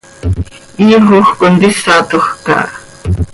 Iihjoj contísatoj caha.